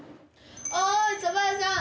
おーいそば屋さん！